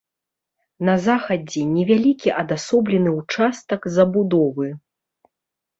На захадзе невялікі адасоблены ўчастак забудовы.